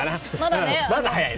まだ早いな。